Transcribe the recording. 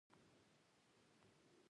آیا ایران او افغانستان نه دي؟